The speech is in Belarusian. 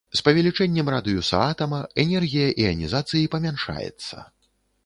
З павелічэннем радыуса атама энергія іанізацыі памяншаецца.